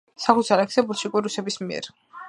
საქართველოს ანექსია ბოლშევიკური რუსების მიერ.